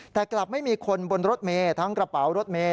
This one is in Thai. แต่กลับไม่มีคนบนรถเมย์ทั้งกระเป๋ารถเมย